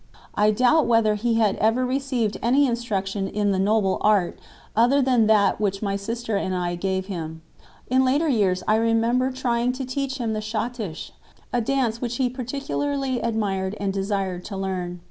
I doubt whether he had ever received any instruction in "the noble art" other than that which my sister and I gave him. In later years I remember trying to teach him the Schottische, a dance which he particularly admired and desired to learn.